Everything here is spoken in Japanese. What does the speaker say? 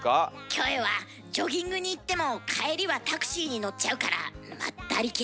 キョエはジョギングに行っても帰りはタクシーに乗っちゃうからまったり系。